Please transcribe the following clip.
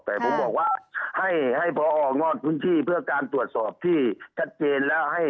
แต่ผมบอกว่าให้พองอดพื้นที่เพื่อการตรวจสอบที่ชัดเจนแล้วให้